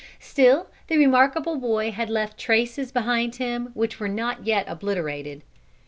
Still the remarkable boy had left traces behind him which were not yet obliterated.